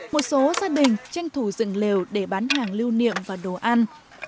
một số gia đình tranh thủ dựng lều để bán hàng lưu niệm và đồ ăn